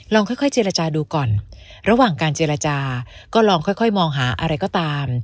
ค่อยเจรจาดูก่อนระหว่างการเจรจาก็ลองค่อยมองหาอะไรก็ตาม